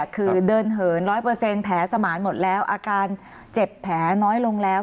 คือเดินเหิน๑๐๐แผลสมานหมดแล้วอาการเจ็บแผลน้อยลงแล้ว